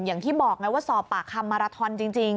อย่างที่บอกไงว่าสอบปากคำมาราทอนจริง